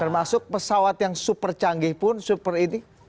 termasuk pesawat yang super canggih pun super ini